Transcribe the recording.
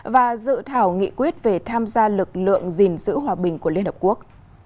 và dự thảo nghị quyết về tham gia lực lượng gìn giữ hòa bình của liên hợp quốc